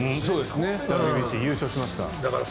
ＷＢＣ優勝しましたから。